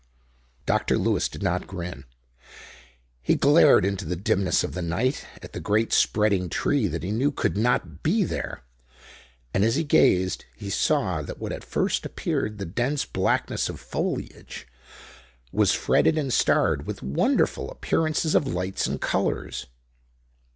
Dr. Lewis did not grin. He glared into the dimness of the night, at the great spreading tree that he knew could not be there. And as he gazed he saw that what at first appeared the dense blackness of foliage was fretted and starred with wonderful appearances of lights and colors.